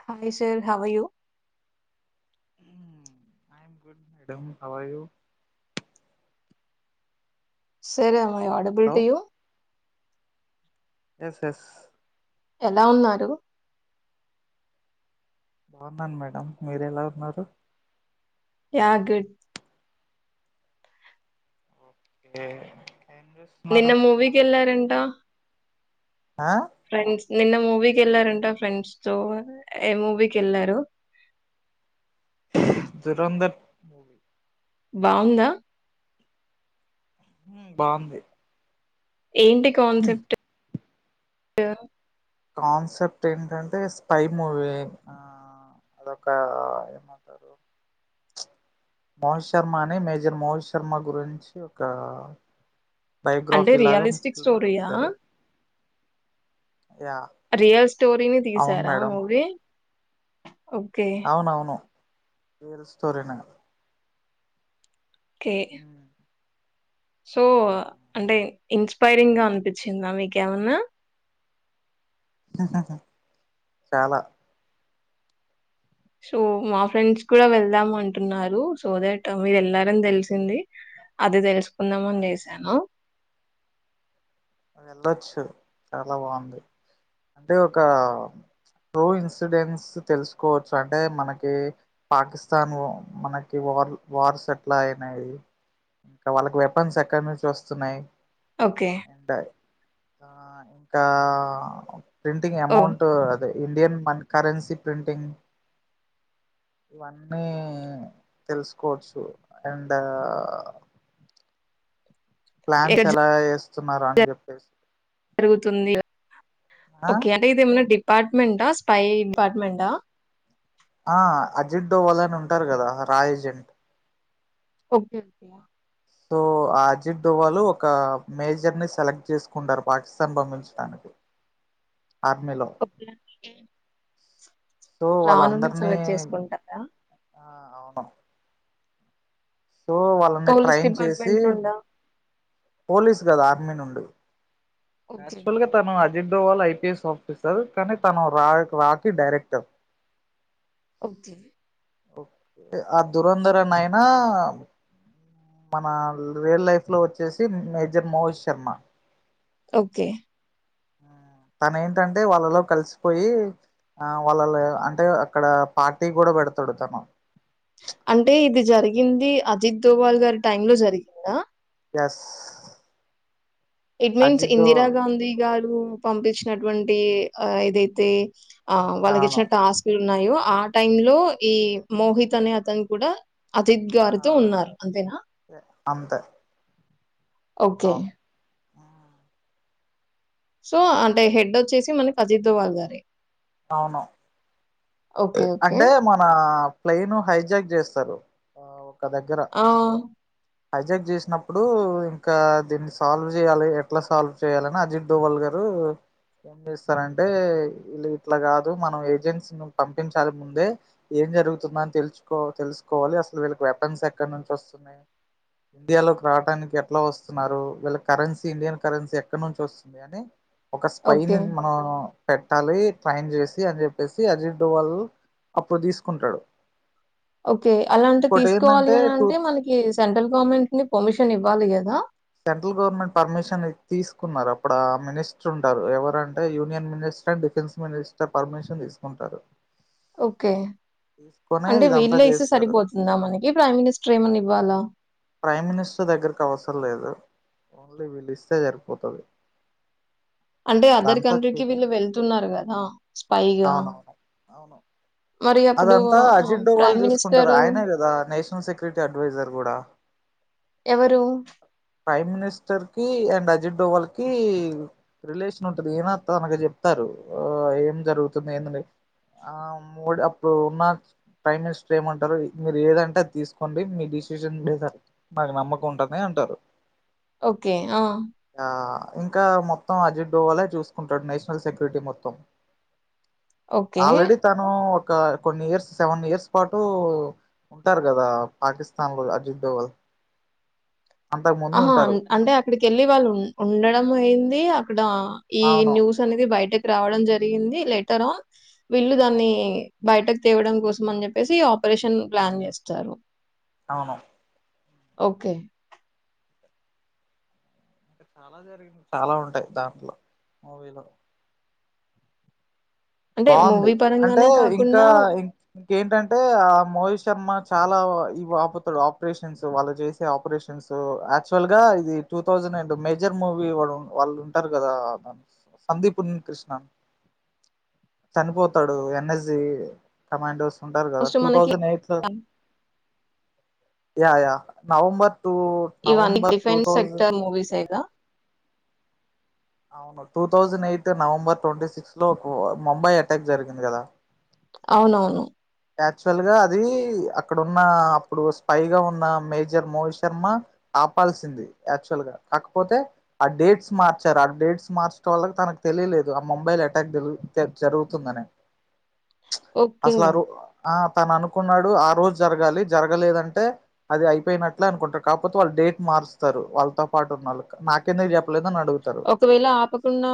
Hi sir how are you fine how are you సరే hello అడబిల్టీయూ yes yes ఎలా ఉన్నారు బాగున్నాను మేడం మీరు ఎలా ఉన్నారు య గుడ్ డే నిన్న మూవీకి ఎల్లారండి ట ఆ ఫ్రెండ్స్ నిన్న మూవీకి వెళ్ళారంట ఫ్రెండ్స్ తో ఏ మూవీకి వెళ్ళారు దురంధర్ బాగుందా ఉ బాగుంది ఏంటి కాన్సెప్ట్ ఎవరు కాన్సెప్ట్ ఏంటంటే స్పై మూవీ ఆ ఒక ఏమంటారు మోహిత్ శర్మ అని మేజర్ మోహిత్ శర్మ గురించి ఒక అంటే బయోగ్రఫీ లాగా రియలిస్టిక్ ఫిల్మ్ స్టోరీయా చేశారు యా రియల్ స్టోరీని అవును తీసారా మేడం మూవీ ఓకే అవునవును రియల్ స్టోరీనే కే సో అంటే ఇన్స్పైరింగ్ గా అనిపించిందా మీకేమన్నా చాలా సో మా ఫ్రెండ్స్ కూడా వెళ్దాం అంటున్నారు సో దట్ మీరు వెళ్లారని తెలిసింది అదే తెలుసుకు కుందామని చేసాను వెళ్లొచ్చు చాలా బాగుంది అంటే ఒక కో ఇన్సిడెన్స్ తెలుసుకోవచ్చు అంటే మనకి పాకిస్తాన్ మనకి వార్ వార్ సెటిల్ అయినయి ఇంకా వాళ్ళకి వెపన్స్ ఎక్కడి నుంచి వస్తున్నాయి. ఓకే ఉంటయి ఇంకా ప్రింటింగ్ ఓహ్! అమౌంట్ అదే ఇండియన్ మన్ కరెన్సీ ప్రింటింగ్ ఇవన్నీ తెలుసుకోవచ్చు అండ్ ప్లాన్స్ ఎక్కడ ఎలా ఎస్ వస్తున్నారా అని చెప్పేసి జరుగుతుంది ఆ ఓకే అంటే ఇది ఏమన్న డిప్ డిపార్మెంట్ స్పై డిపార్మెంట్ ఆ ఆ అజిత్ డోవల్ అని ఉంటారు కదా రా ఏజెంట్ అబ్దుల్జయా సో అజిత్ ధోవాల్ ఒక మేజర్ ని సెలెక్ట్ చేసుకుంటారు పాకిస్తాన్ పంమించడానికి ఆర్మీలో సో రా నుండి వాళ్ళందరినీ సెలెక్ట్ చేసుకుంటారా వ సో వాళ్ళని పోలీస్ ట్రైన్ చేసి డిపార్ట్‌మెంట్ నుండా? పోలీస్ కదు ఆర్మీ నుండి ఓకే. యాక్చువాల్గా తను అజెం దొవాళ్ళ ఐపీఎస్ ఆఫీసర్ కానీ తను రా రాకి డైరెక్టర్ ఓబ్జి ే ఆ దురంధరనైనా మన రియల్ లైఫ్ లో వచ్చేసి మేజర్ మోహిత్ శర్మ ఓకే తనెంటంటే వాళ్ళలో కలిసిపోయి ఆ వాళ్ళలో అంటే అక్కడ పార్టీ కూడా పెడతాడు తను అంటే ఇది జరిగింది అజిత్ దోవాల్ గారి టైమ్ లో జరిగిందా యస్ ఇట్ మీన్స్ ఇందిరాగాంధీ గారు పంపించినటువంటి ఆ ఏదైతే ఆ అవును వాళ్ళకిచ్చిన టాస్క్ లు ఉన్నాయో ఆ టైం లో ఈ మోహిత్ అనే అతను కూడా అజిత్ గారితో ఉన్నారు అంతేనా అంతె ఓకే సో అంటే హెడ్ వచ్చేసి మనకి అజిత్ దోవా గారే అవును ఓకే. ఓకే. అంటే మన ప్లైన్ హైజాక్ చేస్తారు ఒక దగ్గర ఆ హైజాక్ చేసినప్పుడు ఇంకా దీన్ని సాల్వ్ చేయాలి ఎట్లా సాల్వ్ చేయాలని అజిత్ డోవల్ గారు ఏం చేస్తారంటే ఇళ్ళు ఇట్లా కాదు మనం ఏజెన్సీ పంపించాలి ముందే ఏం జరుగుతుంద అని తెలుసుకో తెలుసుకోవాలి అసలు వీళ్ళకి వెపన్స్ ఎక్కడ నుంచి వస్తున్నాయి ఇండియాలోకి రావడానికి ఎట్లా వస్తున్నారు వీళ్ళ కరెన్సీ ఇండియన్ కరెన్సీ ఎక్కడి నుంచి వస్తుంది అని ఒక స్పైన్ ఓకే. నీ మనం పెట్టాలి ట్రైన్ చేసి అని చెప్పేసి అజిత్ ట్వెల్ అప్పుడు తీసుకుంటాడు ఓకే అలాంటి ఇంకోటి తీసుకోవాలి ఏంటంటే అని టూ అంటే మనకి సెంట్రల్ గవర్నమెంట్ ని పర్మిషన్ ఇవ్వాలి కద్ దా సెంట్రల్ గవర్నమెంట్ పర్మిషన్ తీసుకున్నారు అప్పుడు ఆ మినిస్టర్ ఉంటారుఎవరంటే union minister and defence minister permission తీసుకుంటారు ఓకే తీసుకునే అంటే ఇదంతా వీళ్లే ఇస్తే చేస్తారు సరిపోతుందా మనకి ప్రైమ్ మినిస్టర్ ఏమన్నా ఇవ్వాలా ప్రైమ్ మినిస్టర్ దగ్గరకి అవసరం లేదు ఓన్లీ వీళ్ళు ఇస్తే సరిపోతాది అంటే అదర్ కంట్రీకి వీళ్ళు వెళ్తున్నారు కదా స్పైైగా అవునవును అవును అదంతా అజిత్ డోవాల్ చూసుకుంటారు ఆయనే కదా నేషనల్ సెక్యూరిటీ అడ్వైజర్ కూడా ఎవరు? ప్రైమ్ మినిస్టర్ కి అండ్ అజిత్ డోవాల్ కి రిలేషన్ ఉంటది ఈయనా తనకీ చెప్తారు ఏం జరుగుతుంది ఎందనేది ఆ మోడ్ అప్ ఇప్పుడు ఉన్న ప్రైమ్ మినిస్టర్ ఏమంటారు మీరు ఏదంటే అది తీసుకోండి మీ డిసిజన్ మీద మాకు నమ్మకం ఉంటది అంటారు ఓకే ఆ ఆ ఇంకా మొత్తం అజిత్ డోవాళ్ళే చూసుకుంటాడు నేషనల్ సెక్యూరిటీ మొత్తం ఓకే. ఆల్డ్రాడిీ తను ఒ క్క కొన్ని ఇయర్స్ సెవెన్ ఇయర్స్ పాటు ఉంటారు కదా పాకిస్తాన్ లో అజిత్ డోవల్ అంతకు ముందు ఆహా అం ఉంటారు అంటే అక్కడికి వెళ్ళి వాళ్ళు ఉన్ ఉండడం దే అప్ ఇక్కడ ఈ అవును న్యూస్ అనేది బయట రావడం జరిగింది లెటర్ ఆ వీళ్ళు దాన్ని అవును బయటకు తేవడం కోసం అని చెప్పేసి ఆపరేషన్ ప్లాన్ చేస్తారు అవును ఓకే చాలా జరిగాయి చాలా ఉంటాయి దాంట్లో మూవీలో అంటే బాగుంది మూవీ అంటే పరంగానే ఇంకా కాకుండా ఇం ఇంకేంటంటే ఆ మూవీస్ శర్మ చాలా ఇవి ఆపుతాడు ఆపరేషన్స్ వాళ్ళు చేసే ఆపరేషన్స్ యాక్చువల్ గా ఇది two thousand and major movie వాళ్ళు ఉంటారు కదా సందీప్ కృష్ణ చనిపోతాడు ఎన్ఎస్జి కమాండోస్ ఉంటారు కదా మోస్ట్ టూ మనకి థౌసండ్ ఎయిట్ లో యా యా నవంబర్ టూ ఇవన్నీ November two defence thousand sector movies ఏ గా అవును two thousand eight November twenty six లో ఒక ముంబై అటాక్ జరిగింది కదా అవునవును యాక్చువల్ గా అది అక్కడ ఉన్న అప్పుడు స్పైగా ఉన్న మేజర్ మోహిత్ శర్మ ఆపాల్సింది యాక్చువల్ గా కాకపోతే ఆ డేట్స్ మార్చారు ఆ డేట్స్ మార్చడం వల్ల తనకు తెలియలేదు ఆ మొంబైల్ అటాక్ జరుగుతుం జరుగుతుందని ఓకే అసలు ఆ రో ఆ తను అనుకున్నాడు ఆ రోజు జరగాలి జరగలేదంటే అది అయిపోయినట్లే అనుకుంటారు కాకపోతే వాళ్ళు డేట్ మారుస్తారు వాళ్ళతో పాటున్నారు నాకేందుకు చెప్పలేదు ఒకవేళ ఆపకుండా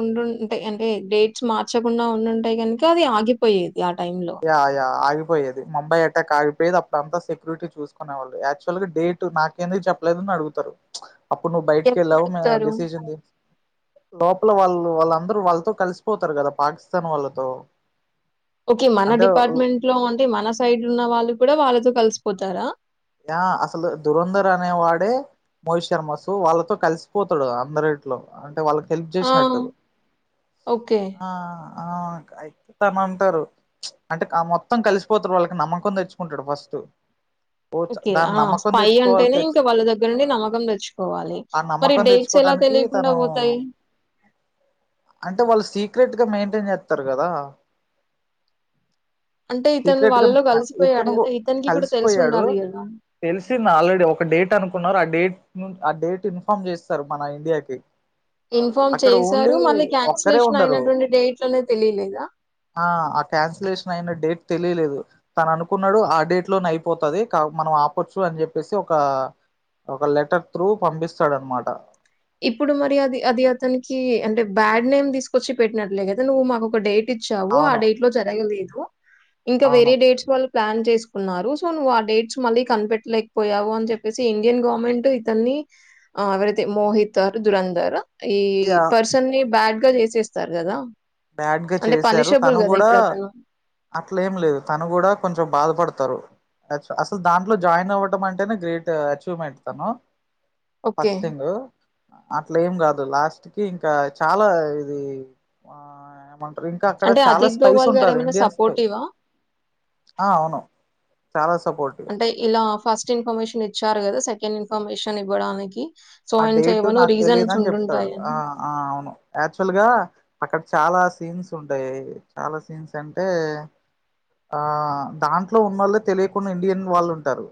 ఉండుంటే అం ఏ డేట్స్ మార్చకుండా ఉండుంటే కనుక అది ఆగిపోయేది ఆ టైంలో. యా యా ఆగి పోయేది ముంబై అటాక్ ఆగిపోయది అప్పుడు అంతా సెక్యూరిటీ చూసుకునేవాళ్ళు యాక్చువల్ గా డేట్ నాకెందుకు చెప్పలేదు అని అడుగుతారు అప్పుడు నువ్వు ఎప్పుడు బయటికేళ్ళావు మే అడుగుతారు? డెసిషన్ లోపల వాళ్ళు వాళ్ళందరూ వాళ్ళతో కలిసిపోతారు కదా పాకిస్తాన్ వాళ్ళతో ఓకే మన అంటే డిపార్ట్మెంట్ లో అంటే మన సైడ్ ఉన్న వాళ్ళు కూడా వాళ్ళతో కలిసిపోతారా యా అసలు దురంధర్ అనే వాడే మోహిత్ శర్మ సో వాళ్ళతో కలిసిపోతాడు అందరిట్లో అంటే వాళ్ళకి హెల్ప్ ఆ! చేసినట్టు ఓకే. ఆ ఆ అయితే తన అంటారు అంటే ఆ మొత్తం కలిసిపోతారు వాళ్ళకి నమ్మకం తెచ్చుకుంటాడు ఫస్ట్ ఓకే ఆ స్పై అంటేనే ఇంకా వాళ్ళ దగ్గర నుండి ఆ! నమ్మకం తెచ్చుకోవాలి ఆ మరి నమ్మకం డేట్స్ ఎలా తెచ్చుకోవటానికి తెలియకుండా తను పోతాయి అంటే వాళ్ళు సీక్రెట్ గా మెయింటైన్ చేత్తరు కదా అంటే ఇతను సీక్రెట్ గా వాళ్ళలో ఆ కలిసిపోయాడు ఇతను కదా ఇతనికి కూడా తెలిసి కలిసిపోయాడు ఉండాలి కదా తెలిసింది ఆల్రెడీ ఒక డేట్ అనుకున్నారు అ డేట్ ను ఆ డేట్ ఇన్ఫార్మ్ చేస్తారు మన ఇండియాకి ఇన్ఫార్మ్ అక్కడ చేశారు ఓన్లీ మళ్ళీ ఒక్కరే క్యాన్సలేషన్ ఉండరు అయినటువంటి డేట్ లోనే తెలీలేదా తెలీలేదు తను అనుకున్నాడు ఆ డేట్ లోనే అయిపోతుది మనం ఆపొచ్చు అని చెప్పేసి ఒక ఒక లెటర్ త్రూ పంపిస్తాడ అనమాట ఇప్పుడు మరి అది అది అతనికి అంటే బ్యాడ్ నేమ్ తీసుకొచ్చి పెట్టినట్లే కదా నువ్వు మాకు ఒక డేట్ ఇచ్చావు ఆ అవును డేట్ లో జరగలేదు హ ఇంకా అవును వేరే డేట్స్ వాళ్ళ ప్లాన్ చేసుకున్నారు సో నువ్వు ఆ డేట్స్ మళ్ళీ కనిపెట్టలేకపోయావు అని చెప్పేసి ఇండియన్ గవర్నమెంట్ ఇతన్ని ఎవరైతే మోహిత్ తారు దురేందర్ ఆ ఈ ఇగ పర్సన్ని బ్యాడ్ గా చేసేస్తారు కదా బ్యాడ్గా చేసారు తను కూడా అట్ల ఏం లేదు తను కూడా కొంచెం బాధపడతారు అసలు దాంట్లో జాయిన్ అవ్వడం అంటేనే గ్రేట్ అచీవ్మెంట్ తను ఓకే. ఫస్ట్ థింగ్ అట్లా ఏం కాదు లాస్ట్ కి ఇంకా చాలా ఇది ఆ ఇంకా అక్కడ అంటే చాలా అజిత్ స్పైస్ దోవల్ ఉంటారు గారేమైనా ఇండియన్ స్పైస్ సపోర్టివా? ఆ అవును చాలా సపోర్టివ్ అంటే ఇలా ఫస్ట్ ఇన్ఫర్మేషన్ ఇచ్చారు కదా సెకండ్ ఇన్ఫర్మేషన్ ఇవ్వడానికి సో, ఆ అండ్ సో డేట్ ఏవనో నాకు తెలిదు రీజన్స్ అని చెప్తాడు ఆ ఉండుంటాయని. ఆ అవును యాక్చువల్ గా పక్క చాలా సీన్స్ ఉంటాయి చాలా సీన్స్ అంటే ఆ దాంట్లో ఉన్నోళ్లు తెలియకుండా ఇండియన్ వాళ్ళు ఉంటారు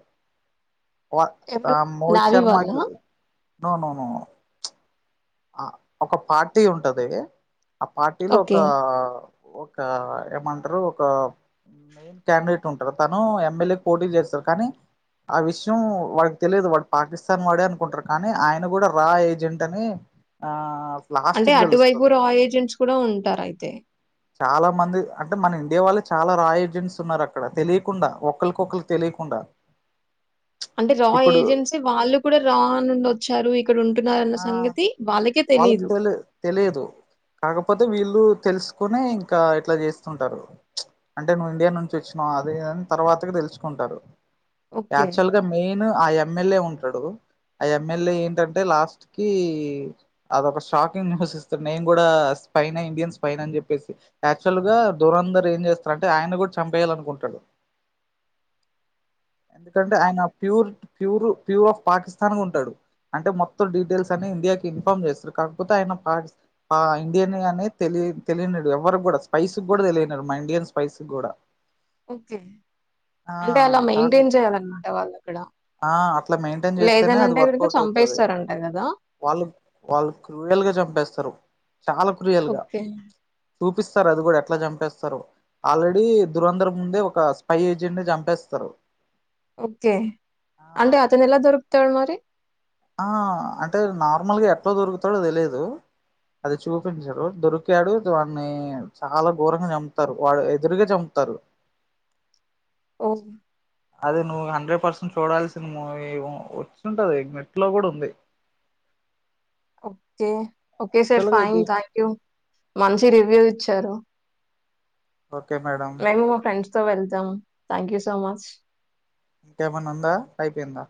వా ఆ ఎవరు మోహిత్ నావి శర్మ వాళ్ళ కి నో నోనో ప్చ్ ఆ ఒక పార్టీ ఉంటది ఆ పార్టీలో ఒక ఓకే ఒక ఏమంటారు ఒక మెయిన్ క్యాండిడేట్ ఉంటారు తను ఎమ్మెల్యే పోటీ చేస్తారు కానీ ఆ విషయం వాడికి తెలియదు వాడు పాకిస్తాన్ వాడే అనుకుంటారు కానీ ఆయన కూడా రా ఏజెంట్ అని ఆ లాస్ట్ అంటే కి అటువైపు తెలుస్తది రా ఏజెంట్స్ కూడా ఉంటారు అయితే చాలా మంది అంటే మన ఇండియా వాళ్ళే చాలా రా ఏజెంట్స్ ఉన్నారు అక్కడ తెలియకుండా ఒకళోకలికి తెలియకుండా అంటే రా ఇప్పుడు ఏజెన్సీ వాళ్ళు కూడా రా నుండి వచ్చారు ఇక్కడ ఉంటున్నారున్న ఆ సంగతి వాళ్ళకే వాళ్ళకి తెలీదు తెలి తెలీదు కాకపోతే వీళ్ళు తెలుసుకునే ఇంకా ఇట్లా చేస్తుంటారు ప్చ్ అంటే నువ్వు ఇండియా నుంచి వచ్చినావా అదిని తర్వాత తెలుసుకుంటారు ఓకే యాక్చువల్ గా మెయిన్ ఆ ఎమ్మెల్యే ఉంటు ఆ ఎమ్మెల్యే ఏంటంటే లాస్ట్ కి అదొక షాకింగ్ న్యూస్ ఇస్తడు నేను కూడా స్పైన్ ఇండియన్ స్ పన్ అని చెప్పేసి యాక్చువల్ గా దూరంధర్ ఏం చేస్తారు అంటే ఆయన కూడా చంపేయాల అనుకుంటాడు ఎందుకంటే ఆయన pure pure pure of Pakistan ఉంటాడు అంటే మొత్తం డీటెయిల్స్ అన్ని ఇండియాకి చేస్తారు కాకపోతే ఆయన పా ఇండియన్ అనే తెలి తెలియనడు ఎవరి కూడా స్పైస్ కూడా తెలియనడు మా ఇండియన్ స్పైస్ కూడా ఓకే ఆ అంటే అలా కాదు మెయింటైన్ చేయాలన్నమాట వాళ్ళు ఇక్కడ ఆ అట్లా మెయింటైన్ చేస్తేనే అది లేదనంటే ఎక్కరించి వర్కౌట్ అవుతది చంపేస్తారంట కదా వాళ్ళు వాళ్ళు క్రియలుగా చంపేస్తారు చాలా క్రియలుగా ఓకే చూపిస్తారు అది కూడా ఎట్లా చంపేస్తారు ఆల్రెడీ దురంధరం ముందే ఒక స్పై ఏజెంట్ ని చంపేస్తారు ఓకే ఆ అంటే అతను ఎలా దొరు తాడు మరి ఆ అంటే నార్మల్గా ఎట్లా దొరుకుతాడో తెలియదు అది చూపించరు దొరికాడు దాన్ని చాలా ఘోరంగా చంపుతారు వాడు ఎదురుగా చంపుతారు బస్ అదే నువ్వు హండ్రెడ్ పర్సెంట్ చూడాల్సిన మూవీ వచ్చింటది నెట్ లో కూడా ఉంది ఓకే ఓకే సార్ యాక్చువల్ గా ఫైన్ ఇది థ్యాంక్ యూ మంచి రివ్యూ విచ్చార ఓకే మేడ వెల్తమ్ థ్యాంక్ యూ సో మచ్ ఇంకా ఏంఅన్న ఉందా అయిపోయిందా